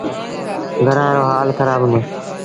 گھرآݩ رو هآل کرآب هُݩدو۔